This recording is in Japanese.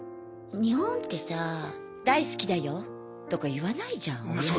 日本ってさ大好きだよとか言わないじゃん親に。